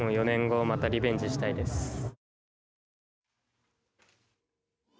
４年後またリベンジしたいです。